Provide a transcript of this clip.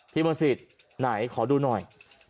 มนศิษย์ไหนขอดูหน่อย